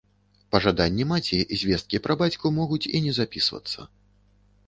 Па жаданні маці звесткі пра бацьку могуць і не запісвацца.